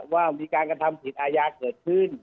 ว่ามีการกระทำผิดอาญาเกิดขึ้น